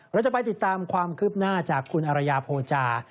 เราจะไปติดตามความคืบหน้าจากคุณอรยาโพจา